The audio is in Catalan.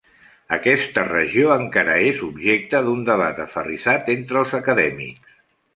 Aquesta regió encara és objecte d'un debat aferrissat entre els acadèmics.